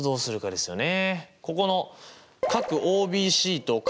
ですよね！